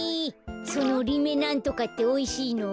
そのリメなんとかっておいしいの？